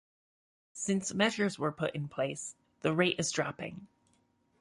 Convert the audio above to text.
Since measures were put in place the rate is dropping.